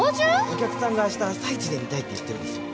お客さんがあした朝一で見たいって言ってるんですよ。